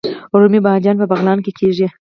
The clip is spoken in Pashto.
رومي بانجان په بغلان کې کیږي